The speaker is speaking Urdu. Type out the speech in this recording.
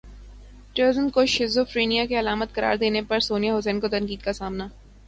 ٹزم کو شیزوفیرینیا کی علامت قرار دینے پر سونیا حسین کو تنقید کا سامنا